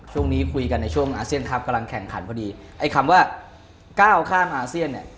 คุยกันในช่วงอาเซียนครับกำลังแข่งขันพอดีไอ้คำว่าก้าวข้ามอาเซียนเนี่ย